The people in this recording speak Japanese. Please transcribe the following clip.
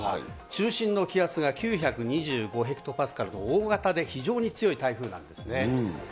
中心の気圧が９２５ヘクトパスカルと、大型で非常に強い台風なんですね。